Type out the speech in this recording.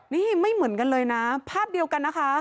นี่ไม่เหมือนกันเลยนะภาพเดียวกันนะคะ